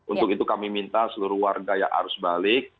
untuk itu kami minta seluruh warga yang harus balik